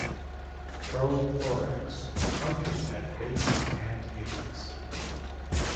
Prothorax truncate at base and apex.